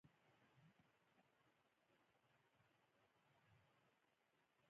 ازادي راډیو د د مخابراتو پرمختګ په اړه د کارګرانو تجربې بیان کړي.